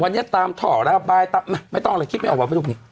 วันนี้ตามถ่อระบายไม่ต้องอะไรคิดไม่ออกมาประทุกคนเนี่ย